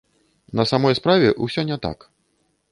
На самой справе, ўсё не так.